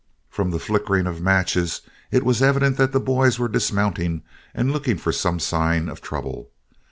From the flickering of matches it was evident that the boys were dismounting and looking for some sign of trouble.